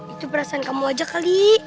itu perasaan kamu aja kali